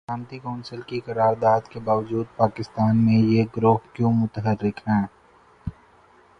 سلامتی کونسل کی قرارداد کے باجود پاکستان میں یہ گروہ کیوں متحرک ہیں؟